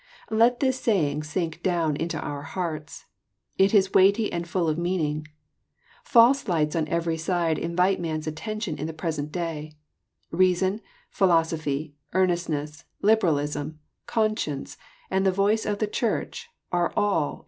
Let this saying sink down into our hearts. It is weighty and full of meaning. False lights on every side invite man's attention in the present day. Reason, philosophy, earnestness, liberalism, conscience, and the voice of the Church, are all, in